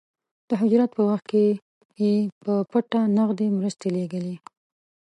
د هجرت په وخت کې يې په پټه نغدې مرستې لېږلې.